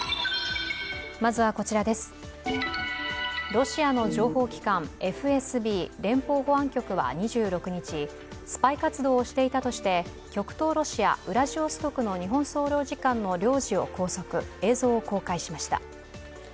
ロシアの情報機関ＦＳＢ＝連邦保安局は２６日スパイ活動をしていたとして極東ロシア・ウラジオストクの日本総領事館の領事を拘束、映像を公開しました。